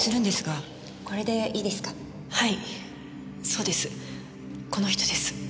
そうですこの人です。